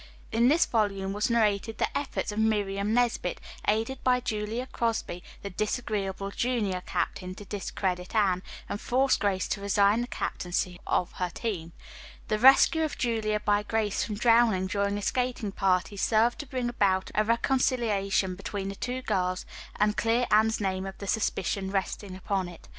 In this volume was narrated the efforts of Miriam Nesbit, aided by Julia Crosby, the disagreeable junior captain, to discredit Anne, and force Grace to resign the captaincy of her team. The rescue of Julia by Grace from drowning during a skating party served to bring about a reconciliation between the two girls and clear Anne's name of the suspicion resting upon it.